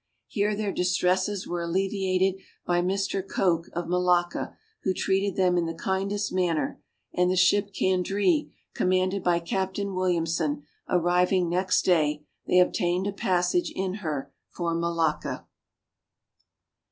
Here their distresses were alleviated by Mr. Koek of Malacca, who treated them in the kindest manner; and the ship Kandree, commanded by Captain Williamson, arriving next day, they obtained a passage in her for Malacca.